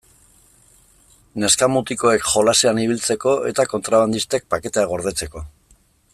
Neska-mutikoek jolasean ibiltzeko eta kontrabandistek paketeak gordetzeko.